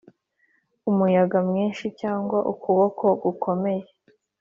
umuyaga mwinshi cyangwa ukuboko gukomeye?